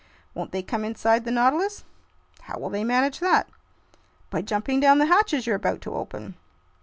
"Won't they come inside the Nautilus?" "How will they manage that?" "By jumping down the hatches you're about to open."